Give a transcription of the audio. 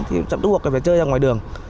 thì chẳng đủ hoặc là phải chơi ở ngoài đường